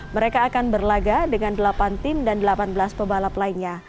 mereka akan berlaga dengan delapan tim dan delapan belas pebalap lainnya